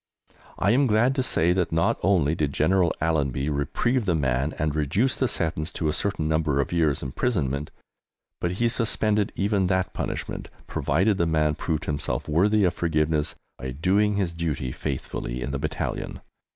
I am glad to say that not only did General Allenby reprieve the man and reduce the sentence to a certain number of years' imprisonment, but he suspended even that punishment, provided the man proved himself worthy of forgiveness by doing his duty faithfully in the battalion.